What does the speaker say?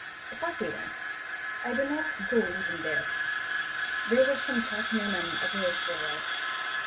A party went. I did not go even there. 'There some cartmen and others were robbed.